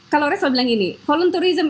kalau ria selalu bilang gini volunturism